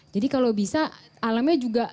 jadi kalau bisa alamnya juga